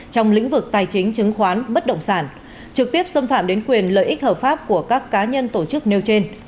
trong lĩnh vực tài chính chứng khoán bất động sản trực tiếp xâm phạm đến quyền lợi ích hợp pháp của các cá nhân tổ chức nêu trên